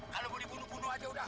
kalau boleh bunuh bunuh aja udah